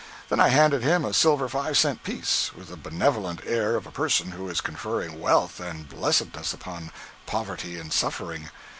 Then I handed him a silver five cent piece, with the benevolent air of a person who is conferring wealth and blessedness upon poverty and suffering.